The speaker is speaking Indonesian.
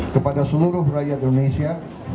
kepada seluruh rakyat indonesia